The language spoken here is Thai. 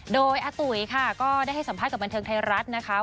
โดยอาตุ๋ยค่ะก็ได้ให้สัมภาษณ์กับบันเทิงไทยรัฐนะคะ